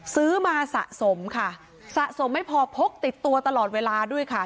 ซื้อมาสะสมค่ะสะสมไม่พอพกติดตัวตลอดเวลาด้วยค่ะ